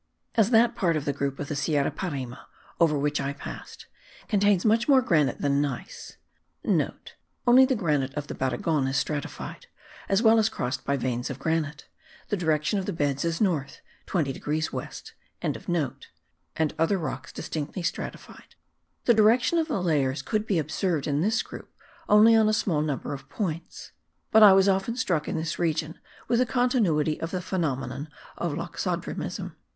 As that part of the group of the Sierra Parime over which I passed contains much more granite* than gneiss (* Only the granite of the Baragon is stratified, as well as crossed by veins of granite: the direction of the beds is north 20 degrees west), and other rocks distinctly stratified, the direction of the layers could be observed in this group only on a small number of points; but I was often struck in this region with the continuity of the phenomenon of loxodromism.